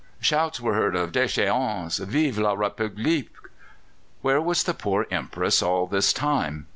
Shouts were heard of "Déchéance! Vive la République!" Where was the poor Empress all this time?